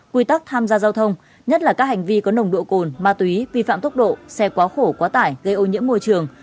quy tắc tham gia giao thông nhất là các hành vi có nồng độ cồn ma túy vi phạm tốc độ xe quá khổ quá tải gây ô nhiễm môi trường